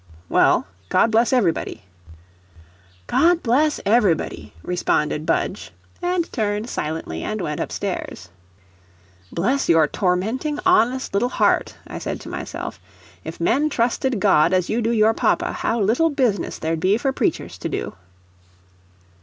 '" "Well, God bless everybody." "God bless everybody," responded Budge, and turned silently and went up stairs. "Bless your tormenting honest little heart," I said to myself; "if men trusted God as you do your papa, how little business there'd be for preachers to do."